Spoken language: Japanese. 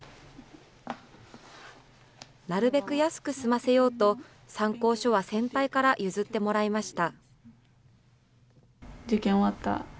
なるべく安く済ませようと、参考書は先輩から譲ってもらいました。